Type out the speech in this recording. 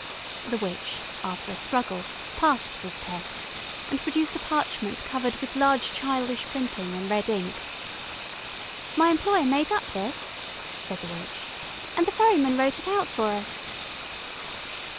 The witch, after a struggle, passed this test, and produced a parchment covered with large childish printing in red ink. "My employer made up this," said the witch. "And the ferryman wrote it out for us."